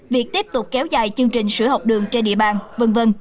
việc tiếp tục kéo dài chương trình sữa học đường trên địa bàn v v